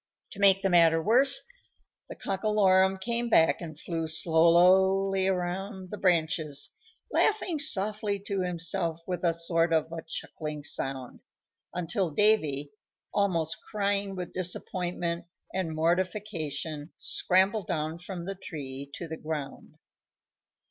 To make the matter worse, the Cockalorum came back and flew slowly around the branches, laughing softly to himself with a sort of a chuckling sound, until Davy, almost crying with disappointment and mortification, scrambled down from the tree to the ground.